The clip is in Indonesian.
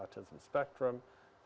untuk orang orang di spektrum otisme